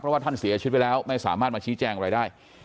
เพราะว่าท่านเสียชีวิตไปแล้วไม่สามารถมาชี้แจงอะไรได้